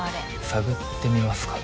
探ってみますか。